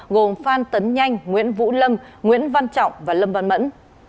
gồm phan tấn nhanh nguyễn vũ lâm nguyễn văn trọng và lâm văn mẫn